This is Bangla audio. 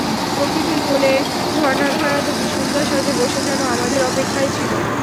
প্রকৃতির কোলে ঝরনাধারা দুটি সুন্দর সাজে বসে যেন আমাদের অপেক্ষায় ছিল।